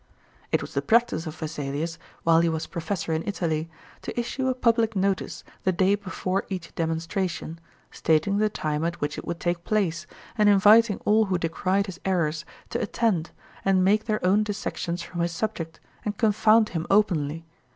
It was the practice of Vesalius, while he was professor in Italy, to issue a public notice the day before each demonstration, stating the time at which it would take place, and inviting all who decried his errors to attend and make their own dissections from his subject, and confound him openly.